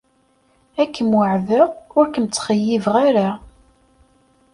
Ad kem-weɛdeɣ ur kem-ttxeyyibeɣ ara.